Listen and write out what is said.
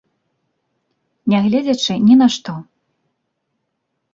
Нягледзячы ні на што.